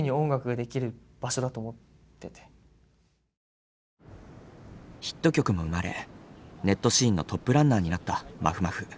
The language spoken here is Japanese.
どんなにヒットしてもヒット曲も生まれネットシーンのトップランナーになったまふまふ。